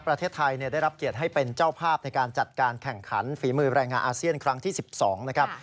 ประเทศไทยได้รับเกียรติให้เป็นเจ้าภาพในการจัดการแข่งขันฝีมือแรงงานอาเซียนครั้งที่๑๒นะครับ